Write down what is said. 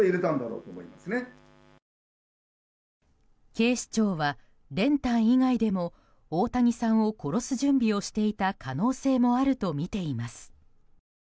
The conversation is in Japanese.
警視庁は、練炭以外でも大谷さんを殺す準備をしていた可能性もあるとみています。